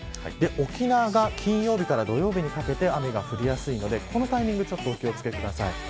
沖縄が、金曜日から土曜日にかけて雨が降りやすいのでこのタイミングちょっとお気を付けください。